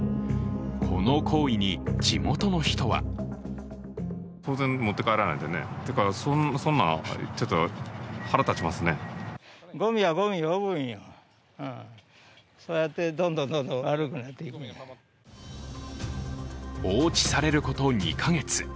この行為に、地元の人は放置されること２か月。